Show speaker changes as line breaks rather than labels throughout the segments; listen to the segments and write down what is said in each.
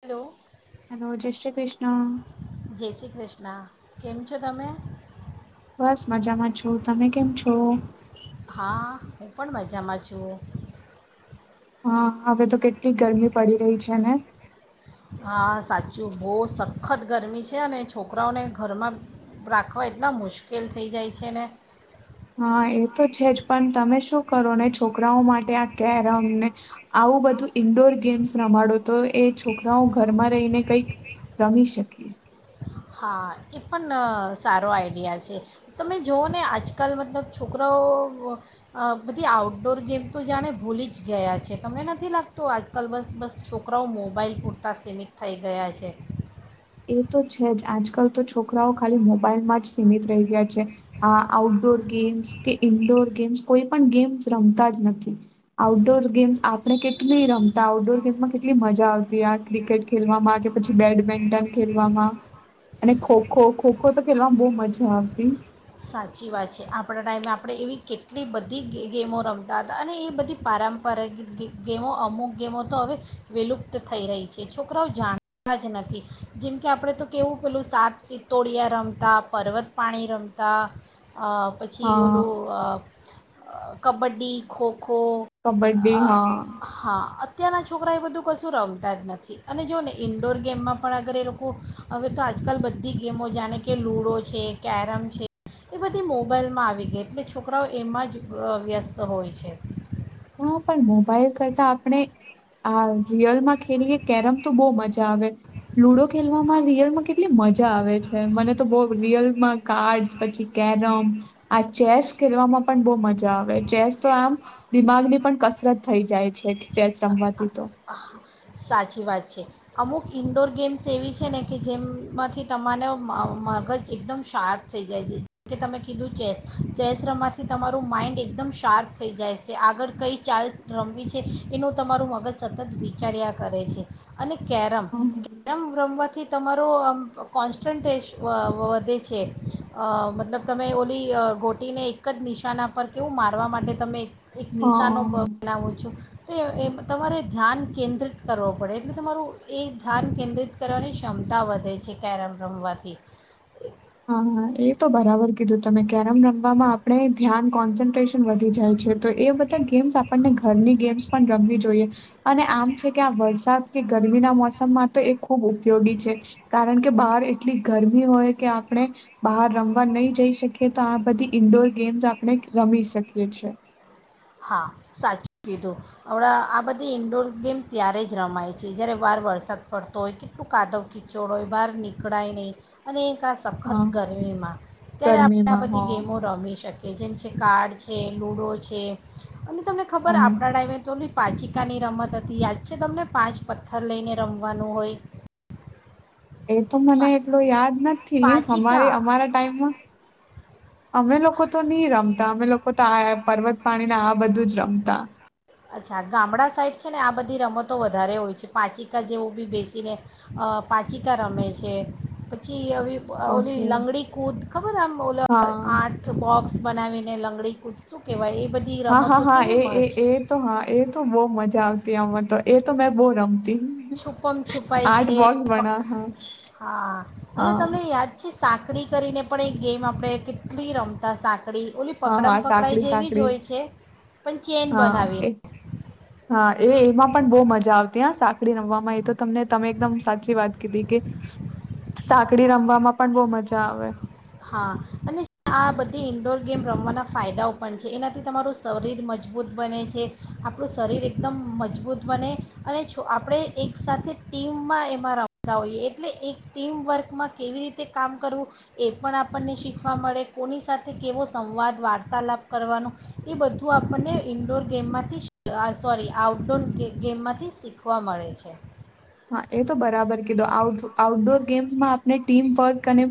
Hello
hello જય શ્રી કૃષ્ણ
ના કેમ છો તમે
બસ મજામાં છું તો તમે કેમ છો
હુ પણ મજામાં છુ
હા હવે તો કેટલી ગરમી પડી રહી છે ને
ખત ગરમી છે અને છોકરાઓને ઘરમાં રાખવા એટલા મુશ્કેલ થઈ જાય છે ને
હા એ તો છે જ પણ તમે શું કરો ને છોકરાઓ માટે આ [unintelligible] આવું બધું ઈન્ડોર ગેમ્સ રમાડો તો એ છોકરાઓ ઘરમાં રહીને કઈક રમી શકીએ.
હા એ પણ સારો આઈડિયા છે તમે જુઓ ને આજકાલ મતલબ છોકરાઓ બધી આઉટડોર ગેમ તો જાણે ભૂલી જ ગયા છે તમને નથી લાગતું આજકાલ બસ બસ છોકરાઓ મોબાઈલ પૂરતાં સીમિત થઈ ગયા છે.
એ તો છે જ આજકાલ તો છોકરાઓ ખાલી મોબાઈલમાં જ સીમિત રહી ગયા છે આ આઉટડોર ગેમ્સ કે ઈન્ડોર ગેમ્સ કોઈ પણ ગેમ્સ રમતા જ નથી આઉટડોર ગેમ્સ આપણે કેટલી રમતા આઉટડોર ગેમ્સમાં કેટલી મજા આવતી આ ક્રિકેટ ખેલવામાં કે પછી બેડમિન્ટન ખવામાં અને ખોખો ખોખો તો ખેલવામાં બહ મજા આવતી.
સાચી વાત છે આપણા ટાઈમે આપણે એવી કેટલી બધી ગ ગેમો રમતા હતા અને એ બધી પારંપરગ ગેમો અમુક ગેમો તો હવે વિલુપ્ત થઈ રહી છે છોકરાઓ જાણતા જ નથી જેમ કે આપણે તો કેવું પેલું સાત સિત્તોડિયા રમતા પર્વત પાણી રમતા. કતા પછી
હા
ઓલું કબડ્ડી ખો ખો.
કબડ્ડી હા
હા અત્યારના છોકરા એ બધું કશું રમતા જ નથી અને જોુઓ ને ઇન્ડોર ગેમમાં પણ અગર એ લોકો હવે તો આજકાલ બધી ગેમો જાણે કે લૂડો છે કેરમ છે એ બધી મોબાાઈલમાં આવી ગઈ એટલે છોકરાઓ એમાં જ વ્યસ્ત હોય છે.
હા પણ મોબાઈલ કરતા આપણે આ રિયલમાં ખેલીએ કેરમ તો બહુ મજા આવે લુડો ખેલવામાં રિયલમાં કેટલી મજા આવે છે મને તો બહ રિયલમાં કાર્ડ્સ પછી કેરમ આ ચેસ ખેલવામાં પણ બહુ મજા આવે ચેસ તો આમ દિમાગની પણ કસરત થઈ જાય છે ચેસ રમવાથી તો.
સાચી વાત છે અમુક ઇન્ડોર ગેમ્સ એવી છે ને કે જેમમાંથી તમારા મગજ એકદમ શાર્પ થઈ જાય છે જે કે તમે કીધું ચેસ ચેસ રમવાથી તમારું માઇન્ડ એકદમ શાર્પ થઈ જાય છે આગળ કઈ ચાર્જ રમવી છે એનું તમારું મગજ સ તત વિચાર્યા કરે છે અને કેરમ
હમ.
કેરમ રમવાથી તમારો આમ કોન્સ્ટન્ટેશ વધે છે મતલબ તમે ઓલી ગોટીને એક જ નિશાના પર કેવું મારવા માટે તમે એક નિશા નો બ
હા.
બનાવું છો. એ તમારે ધ્યાન કેન્દ્રિત કરવો પડે એટલે તમારું એ ધ્યાન કેન્દ્રિત કરવાની ક્ષમતા વધે છે કેરમ રમવાથી.
હા એ તો બરાબર કીધું તમે કેરમ રમવામાં આપણે ધ્યાન કોન્સન્ટ્રેશન વધી જાય છે તો એ બધા ગેમ્સ આપણને ઘરની ગેમ્સ પણ રમવી જોઈએ અને આમ છે કે આ વરસાદ કે ગરમીના મોસમમાં તો એ ખૂબ ઉપયોગી છે કારણ કે બહાર એટલી ગરમી હોય કે આપણે બહાર રમવા નહી જઈ શકીએ તો આ બધી ઈન્ડોર ગેમ્સ આપણે રમી શકીએ છે.
હા સાચું કીધું હમણાં આ બધી ઇન્ડોર્સ ગેમ ત્યારે જ રમાય છે જ્યારે વાર વરસાદ પડતો હોય કેટલું કાદવ ખીચોડ હોય બહાર નીકળાય નહીં અને સખત
હા,
ગરમીમાં ત્યારે આપણે આ
ગરમીમાં.
બધી
હા,
ગેમો રમી શકીએ. કે જેમ છે કાર્ડ છે લૂડો છે અને તમને ખબર
હા.
આપડા ડ્રાઈવે તો પાચકાાની રમત હતી યાદ છે તમને પાંચ પથ્થર લઈને રમવાનું હોય.
એ તો મને
પા
એટલું યાદ નથી અમારે
પાચિકા
અમારા ટાઈમમાં અમે લોકો તો નહી રમતા અમે લોકો. તો આ પર્વત પાણીને આ બધું જ રમતા.
અચ્છા ગામડા સાઈડ છે ને આ બધી રમતો વધારે હોય છે પાચકાા જેવું બી બેસીને પાચિકા રમે છે પછી ઓલી
ઓકે.
લંગડી કૂદ ખબર એમ ઓલો
હા
આઠ બોક્સ બનાવીને લંગડી કૂદ શું કહેવાય એ. બધી
હા હા
રમતો
હા એ
કેવી
એ
મજ
એ તો હા. એ તો બહુ મજા આવતી અ તો એ તો મેં બહુ રમતી.
છુપમ છુપાય
આર્ટ
છે,
બોક્સ બના હા
હા અને
હા
તમને યાદ છે શા પકડી કરીને પણ એક ગેમ આપણે કેટલી રમતા સાચી
હા હા સાકડી સાકડી
છે પણ ચેન
હા
બનાવીને
એ હા એ એમાં પણ બહ મજા આવતી હ. સાકડી રમવામાં એ તો તમને તમે એકદમ સાચી વાત કીધી કે સાકડી રમવામાં પણ બહુ મજા આવે.
હા અને આ બધી ઈન્ડોર ગેમ રમવાના ફાયદાઓ પણ છે, એનાથી તમારું શરીર મજબૂત બને છે, આપણું શરીર એકદમ મજબૂત બને, અને આપણે એક સાથે ટીમમાં એમાં રમતા હોઈએ એટલે એક ટીમ વર્કમાં કેવી રીતે કામ કરવું એ પણ આપણને શીખવા મળે કોની સાથે કેવો સંવાદ વાર્તાલાપ કરવાનો એ બધું આપણને ઇન્ડોર ગેમમાંથી સોરી આઉટડોર ગેમમાંથી શીખવા મળે છે.
હા એ તો બરાબર કીધું આ આઉટડોર ગેમ્સમાં આપને ટીમ વર્ક અને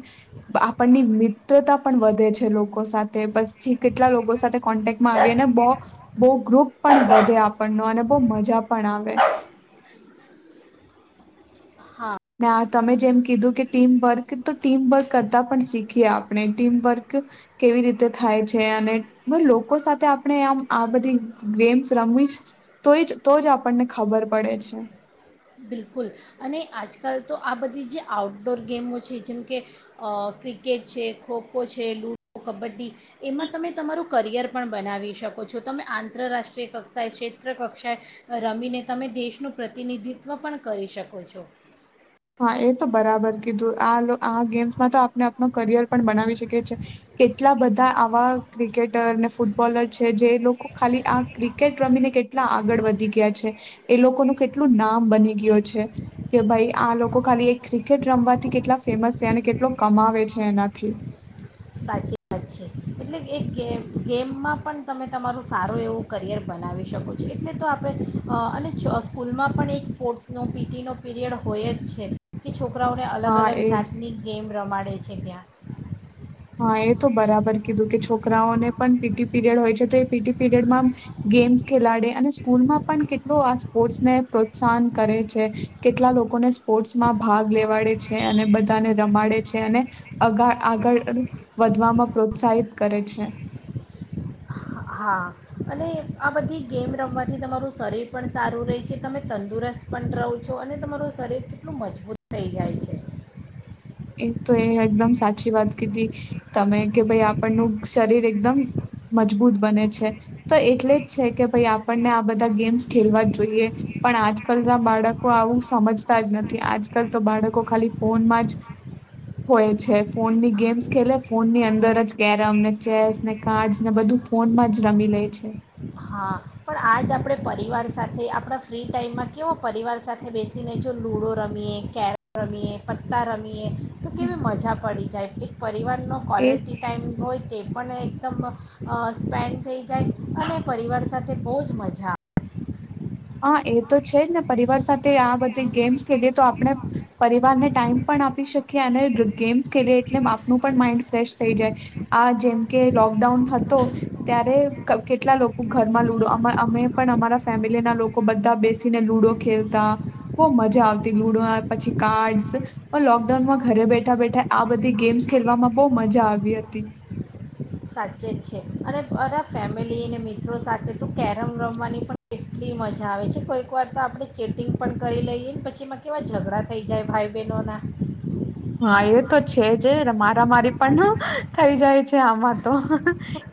આપણની મિત્રતા પણ વધે છે. લોકો સાથે પછી કેટલા લોકો સાથે કોન્ટેક્ટમાં આવી અને બહ બહુ ગ્રુપ પણ વધે આપણનો, અને બહ મજા પણ આવે.
હા
ના તમે જેમ કીધું કે ટીમવર્ક તો ટીમવર્ક કરતાં પણ શીખીએ આપણે ટીમવર્ક કેવી રીતે થાય છે, અને લોકો સાથે આપણે આમ આ બધી ગેમ્સ રમવીશ તો તો જ આપણને ખબર પડે છે.
બિલકુલ અને આજકાલ તો આ બધી જે આઉટડોર ગેમો છે. જેમ કે ક્રિકેટ છે, ખોખો છે, લૂડો કબડ્ડી એમાં તમે તમારું કરિયર પણ બનાવી શકો છો. તમે આંતરરાષ્ટ્રીય કક્ષાએ, ક્ષેત્ર કક્ષાએ, રમીને તમે દેશનું પ્રતિનિધિત્વ ત્વ પણ કરી શકો છો.
એ તો બરાબર કીધું આ ગેમ્સમાં તો આપને ન કરિયર પણ બનાવી શકે છે. કેટલા બધાં આવાં ક્રિકેટર ને ફૂટબોલર છે જે લોકો ખાલી આ ક્રિકેટ રમીને કેટલા આગળ વધી ગયા છે. એ લોકોનું કેટલું નામ બની ગયું છે, કે ભાઈ આ લોકો ખાલી ક્રિકેટ રમવાથી કેટલા ફેમસ છે અને કેટલો કમાવે છે એનાથી.
સાચી વાત છે. એટલે એે ગેમમાં પણ તમે તમારું સારો એવો કરિયર બનાવી શકો છો. એટલે તો આપણે અને સ્કૂલમાં પણ એક સ્પોર્ટ્સનો પીટી નો પીરિયડ હોય જ છે કે છોકરાઓને અલગ
હા
અલગ
એજ
જાતની ગેમ રમાડ રમાડે છે ત્યાં.
હા એ તો બરાબર કીધું કે છોકરાઓને પણ પીટી પીરિયડ હોય છે, તો એ પીટી પીરિયડમાં ગેમ્સ ખેલાડે અને સ્કૂલમાં પણ કેટલો આ સ્પોર્ટ્સને પ્રોત્સાહન કરે છે, કેટલા લોકોને સ્પોર્ટ્સમાં ભાગ લેવાડે છે. અને બધાને રમાડે છે અગાર આગળ વધવામાં પ્રોત્સાહિત કરે છે.
હા અને આ બધી ગેમ રમવાથી તમારું શરીર પણ સારું રહે છે. તમે તંદુરસ્ત પણ રહો છો, અને તમારું શરીર કેટલું મજબૂત થઈ જાય છે.
એ તો એ એકદમ સાચી વાત કીધી, તમે કે ભાઈ આપણનું શરીર એકદમ મજબૂત બને છે. તો એટલે જ છે કે ભાઈ આપણને આ બધા ગેમ્સ ખેલવા જોઈએ પણ આજકાલ ના બાળકો આવું સમજતા જ નથી. આજકાલ તો બાળકો ખાલી ફોનમાં જ હોય છે. ફોનની ગેમ્સ ખેલે, ફોનની અંદર જ કેરમ ને ચેસ ને કાર્ડ ને બધું ફોનમાં જ રમી લે છે.
હા પણ આ જ આપણે પરિવાર સાથે આપણા ફ્રી ટાઈમમાં કેવો પરિવાર સાથે બેસીને જો લૂડો રમીએ કેરમ રમીએ, પત્તા રમીએ તો કેવી મજા પડી જાય. એક પરિવારનો
એ
કલિટી ટાઈમ હોય તે પણ એકદમ સ્પેન્ડ થઈ જાય અને પરિવાર સાથે બહુ જ મજા.
હા એ તો છે જ ને પરિવાર સાથે આ બધી ગેમ્સ દ તો આપણે પરિવારને ટાઈમ પણ આપી શકીએ, અને ગેમ્સ ખેલી, એટલે આપનું પણ માઈન્ડ ફ્રેશ થઈ જાય. આ જેમ કે લોકડાઉન હતો, ત્યારે કેટલા લોકો ઘરમાં લુડો અમે પણ અમારા ફેમિલીના લોકો લોકો બધા બેસીને લુડો ખેલતા, બહુ મજા આવતી લુડો પછી, કાર્ડસ લોકડાઉનમાં ઘરે બેઠા બેઠા આ બધી ગેમ્સ ખેલવામાં બહુ મજા આવી હતી.
સાચે જ છે. અને અરા, ફેમિલી અને મિત્રો સાથે કેરમ રમવાની પણ કેટલી મજા આવે છે! કોઈક વાર તો આપણે ચીટિંગ પણ કરી લઈએ ને, પછી કેવા ઝઘડા થઈ જાય ભાઈ-બહેનોના!
એ તો છે. જ મારા મારી પણ થઈ જાય છે. આમાં તો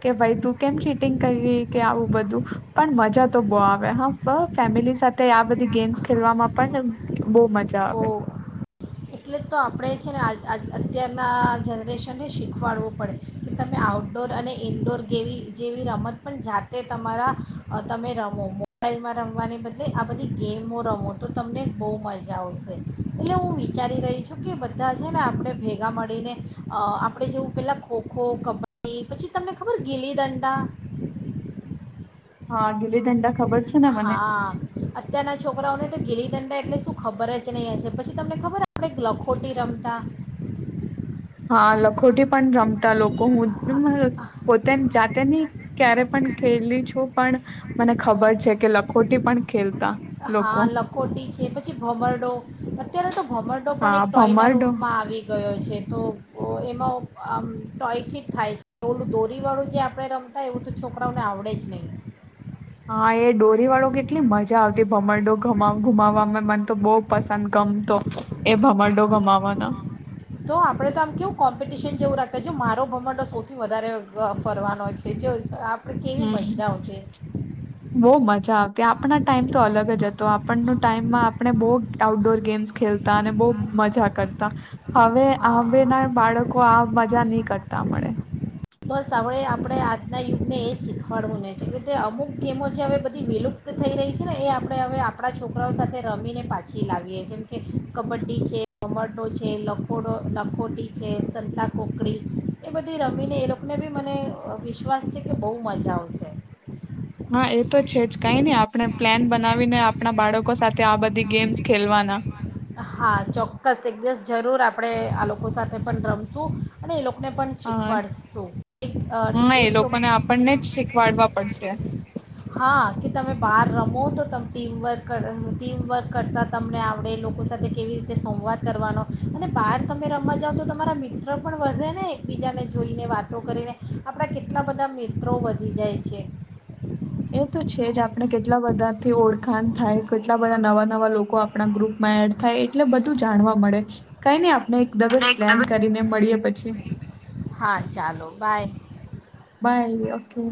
કે ભાઈ તું કેમ ચીટિંગ કરી કે આવું બધું પણ મજા તો બહ આવે હ ફેમિલી સાથે આ બધી ગેમ્સ ખેલવામાં પણ બહ મજા આવે.
બહુ એટલે તો આપણે છે ને અત્યારના જનરેશન શીખવાડવું પડે કે તમે આઉટડોર અને ઇનડોર ગેવી જેવી રમત પણ જાતે તમારા તમે રમો મોબાઈલમાં રમવાને બદલે આ બધી ગેમો રમો તો તમને બહુ મજા આવશે એટલે હું વિચારી રહી બધા છે. ને આપણે ભેગા મળીને આપણે જેવું પેલા ખો-ખો કબડી પછી તમને ખબર ગીલી દંડા?
હા ગિલી દંડ હું
હા. અત્યારના છોકરાઓને તો ગીલી દંડા એટલે શું ખબર જ નહીં આવે છે. પછી તમને ખબર આપણે લખોટી રમતા
હા લખોટી પણ રમતા લોકો હું પોતે જાતે નહી ક્યારે પણ ખેલી છું. પણ મને ખબર છે. કે લખોટી પણ ખેલતા
હા
લોકો
લખોટી છે. પછી ભમરડો અત્યારે તો ભમરડો પણ
હા
એક ટોયના
ભમરડો
રૂટમાં આવે ગયો છે, તો એમાં આમ ટોયથી જ થાય છે, ઓલું દોરીવાળું જે આપણે રમતા એવું તો છોકરાઓને આવડે જ નહીં
હા, એ ડોરી વાળો કેટલી મજા આવતી ભમરડો ગુમાવ, ગુમાવ, મન તો બહુ પસંદ, ગમતો એ ભમરડો ગુમાવાનો
તો, આપણેે તો આમ કેવું કોમ્પિટિશન જેવું રાખે, મારો ભમરડો સૌથી વધારે ફરવાનોય છે, જે
હમ, બહુ મજા આવતી આપણા ટાઈમ તો અલગ જ હતો, આપણનો ટાઈમમાં આપણે બહુ આઉટડોર ગેમ્સ ખેલતા અને બહુ મજા કરતા હવે
હા
આંબે ના બાળકો આ મજા ની કરતા મળે
બસ હ આપણે આજના યુગને એ શીખવાડવું અમુક ગેમો જે હવે બધી વિલુપ્ત થઈ રહી છે, ને એ આપણે હવે આપણા છોકરાઓ સાથે રમીને પાછી લાવીએ જેમકે કબડ્ડી છે. ભમરડો છે, લખોડો, લખોટી છે, સંતા કોકડી એ બધી રમીને એ લોકો ને બી મને વિશ્વાસ છે, કે બહુ મજા આવશે
હા એ તો છે, જ કઈ નઈ આપણે પ્લાન બનાવીને આપણા બાળકો સાથે આ બધી ગેમ્સ ખેલવાના
હા, ચોક્કસ એક દિવસ જરૂર આપણે આ લોકો સાથે પણ રમશું અને એ લોકો
હા,
અ,
હા, એ
એક
લોકોને આપણને જ શીખવાડવા પડશે
હા. કે તમે બહાર રમો તો ત ટીમવર્ક, ટીમવર્ક કરતાં તમને આવડે લોકો સાથે કેવી રીતે સંવાદ કરવાનો અને બહાર તમે રમવા જઓ તો તમારા મિત્ર પણ વધે ને એકબીજાને જોઈને વાતો કરીને આપણા કેટલા બધા મિત્રો વધી જાય છે
એ તો છે, જ આપણે કેટલા બધાથી ઓળખાણ થાય કેટલા બધા નવા નવા લોકો આપણા ગ્રુપમાં એડ થાય એટલે બધું જાણવા મળે કઈ નહી, આપ એકદિવસ પ્લાન કરીને મળીએ પછી
હા, ચાલો બાય
બાય ઓકે